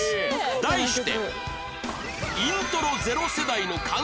題して